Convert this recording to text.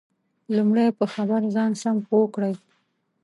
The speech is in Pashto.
لمړی په خبر ځان سم پوه کړئ